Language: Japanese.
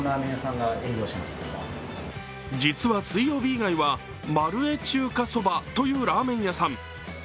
実は、水曜日以外はまるえ中華そばというラーメン屋さん。